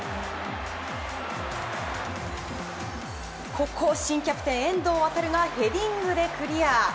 ここを新キャプテン、遠藤航がヘディングでクリア。